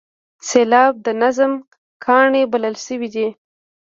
سېلاب د نظم کاڼی بلل شوی دی.